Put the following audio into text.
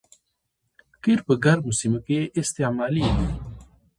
قیر په ګرمو سیمو کې استعمالیږي